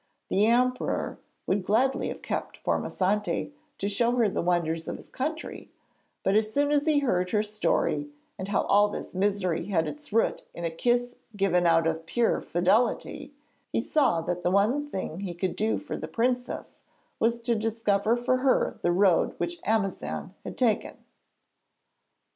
The emperor would gladly have kept Formosante to show her the wonders of his country, but as soon as he heard her story and how all this misery had its root in a kiss given out of pure fidelity, he saw that the one thing he could do for the princess was to discover for her the road which Amazan had taken.